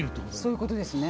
そういうことですね。